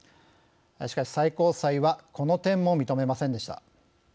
しかし最高裁はこの点も認めませんでした。